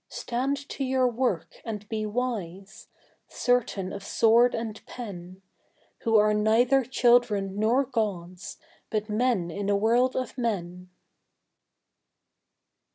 Stand to your work and be wise certain of sword and pen, Who are neither children nor Gods, but men in a world of men!